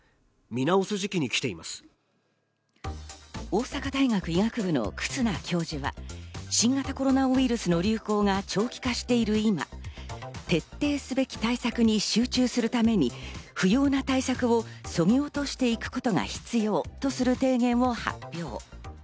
大阪大学医学部の忽那教授は新型コロナウイルスの流行が長期化している今、徹底すべき対策に集中するために不要な対策をそぎ落としていくことが必要とする提言を発表。